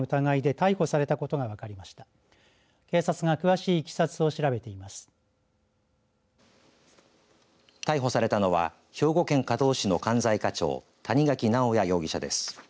逮捕されたのは兵庫県加東市の管財課長谷垣直哉容疑者です。